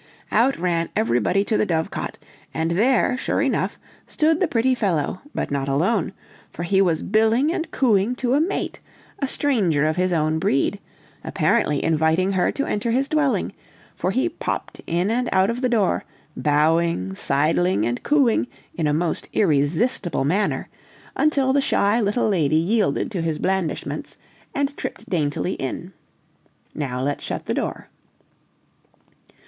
Out ran everybody to the dovecot, and there, sure enough stood the pretty fellow, but not alone, for he was billing and cooing to a mate, a stranger of his own breed, apparently inviting her to enter his dwelling; for he popped in and out of the door, bowing, sidling, and cooing, in a most irresistible manner, until the shy little lady yielded to his blandishments, and tripped daintily in. "Now, let's shut the door."